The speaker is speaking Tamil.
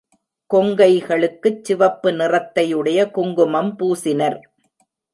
கொங்கைகளுக்குச் சிவப்பு நிறத்தை உடைய குங்குமம் பூசினர்.